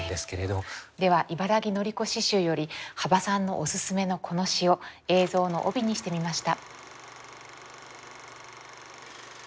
では茨木のり子詩集より幅さんのオススメのこの詩を映像の帯にしてみました。